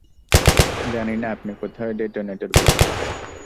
জানি না আপনি কোথায় ডেটোনেটর বসিয়েছেন।